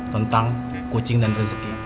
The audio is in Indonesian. tentang kucing dan rezeki